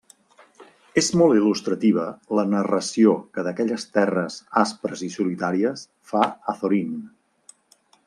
És molt il·lustrativa la narració que d'aquelles terres aspres i solitàries fa Azorín.